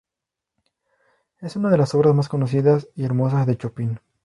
Es una de las obras más conocidas y hermosas de Chopin.